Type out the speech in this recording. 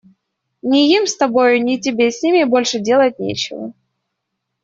Ни им с тобою, ни тебе с ними больше делать нечего.